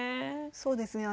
そうですね。